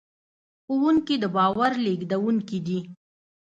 ښوونکي د باور لېږدونکي دي.